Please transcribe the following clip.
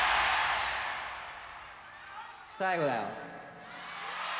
最後だよ。